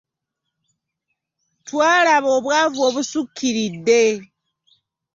Twalaba obwavu obusukkiridde.